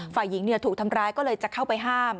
ฝ่ายหญิงถูกทำร้ายก็เลยจะเข้าไปห้าม